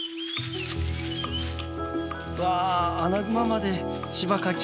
わアナグマまで柴かき。